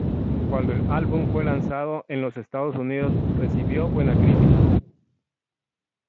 Cuando el álbum fue lanzado en los Estados Unidos recibió buena crítica.